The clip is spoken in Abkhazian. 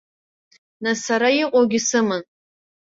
Нас, ара иҟоугьы сыман.